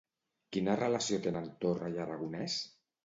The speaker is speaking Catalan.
Quina relació tenen Torra i Aragonès?